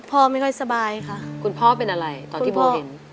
พ่อไม่ค่อยสบายค่ะคุณพ่อเป็นอะไรตอนที่พ่อเห็น